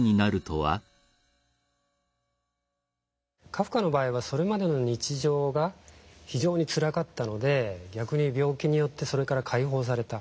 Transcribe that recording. カフカの場合はそれまでの日常が非常につらかったので逆に病気によってそれから解放された。